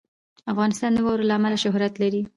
افغانستان د واوره له امله شهرت لري.